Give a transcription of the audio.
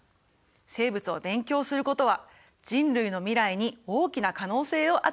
生物を勉強することは人類の未来に大きな可能性を与えるかもしれません。